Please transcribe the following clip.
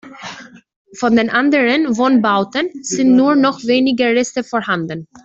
Von den anderen Wohnbauten sind nur noch wenige Reste vorhanden.